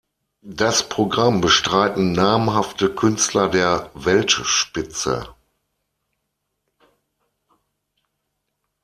Das Programm bestreiten namhafte Künstler der Weltspitze.